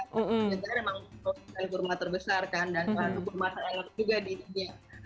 tapi sebenarnya memang itu kan kurma terbesar kan dan kurma sangat enak juga di sini